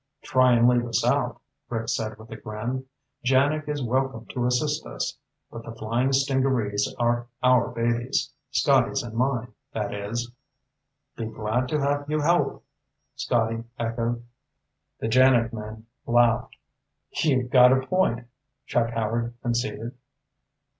"Try and leave us out," Rick said with a grin. "JANIG is welcome to assist us, but the flying stingarees are our babies. Scotty's and mine, that is." "Be glad to have you help," Scotty echoed. The JANIG men laughed. "You've got a point," Chuck Howard conceded.